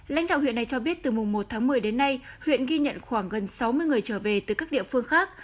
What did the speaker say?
lãnh đạo huyện này cho biết từ mùng một tháng một mươi đến nay huyện ghi nhận khoảng gần sáu mươi người trở về từ các địa phương khác